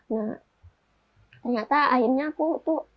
nah ternyata akhirnya aku tuh